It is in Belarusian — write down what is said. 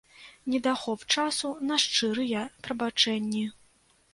Недахоп часу на шчырыя прабачэнні.